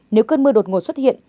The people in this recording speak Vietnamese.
nếu cơn mưa đột ngột xuất hiện